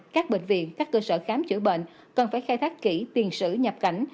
các bệnh viện các cơ sở khám chữa bệnh cần phải khai thác kỹ tiền sử nhập cảnh